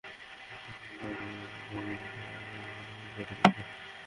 ততক্ষণে সামাজিক যোগাযোগের মাধ্যমগুলোয় ছড়িয়ে পড়েছে ক্যাসপার, খবর হয়েছে ছোট্ট ভূত অসুস্থ।